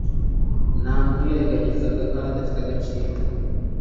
Nta muntu yirengagizaga nk'aho adafite agaciro,